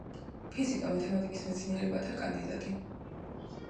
ფიზიკა-მათემატიკის მეცნიერებათა კანდიდატი.